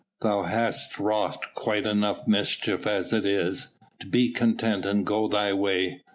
Thou hast wrought quite enough mischief as it is; be content and go thy way.